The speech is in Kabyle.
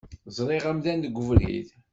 Zṛiɣ amdan deg ubrid.